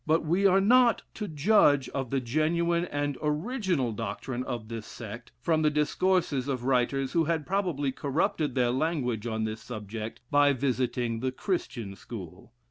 But we are not to judge of the genuine and original doctrine of this sect from the discourses of writers who had probably corrupted their language on this subject, by visiting the Christian school.